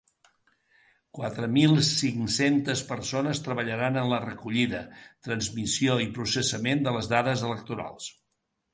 Quatre mil cinc-centes persones treballaran en la recollida, transmissió i processament de les dades electorals.